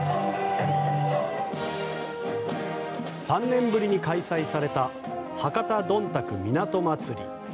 ３年ぶりに開催された博多どんたく港まつり。